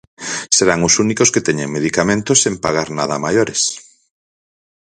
Serán os únicos que teñan medicamentos sen pagar nada a maiores.